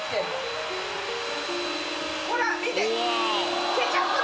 ほら見て。